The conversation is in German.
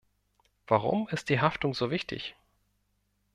Warum ist die Haftung so wichtig?